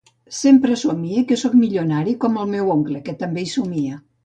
Sempre somie que soc milionari com el meu oncle, que també hi somia.